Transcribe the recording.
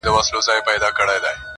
که پلار دي جت وو، ته جتگی يې.